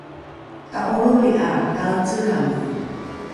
ta’olroli ’a taecelrange